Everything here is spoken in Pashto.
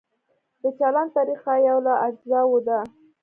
د چلند طریقه یو له اجزاوو ده.